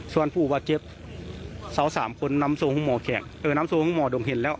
ส่วนผู้บาดเจ็บ๓คนนำโซงห้องหมอแขกเออนำโซงห้องหมอดงเห็นแล้ว